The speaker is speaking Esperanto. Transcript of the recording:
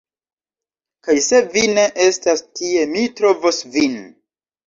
Kaj se vi ne estas tie, mi trovos vin